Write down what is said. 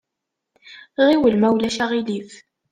Ɣiwel, ma ulac aɣilif.